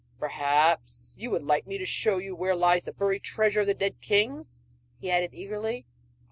Perhaps you would like me to show you where lies buried the treasure of dead kings?' he added eagerly.